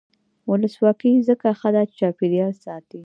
ولسواکي ځکه ښه ده چې چاپیریال ساتي.